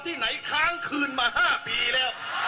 ที่ไหนค้างคืนมา๕ปีแล้ว